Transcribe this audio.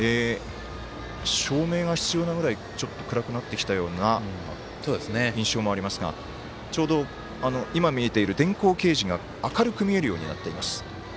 照明が必要なぐらいちょっと暗くなってきたような印象もありますがちょうど今見えている電光掲示が明るく見えるようになっています。